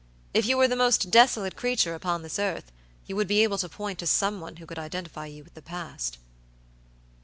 If you were the most desolate creature upon this earth, you would be able to point to someone who could identify you with the past."